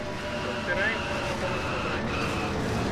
Разбіраемся, што там адбываецца.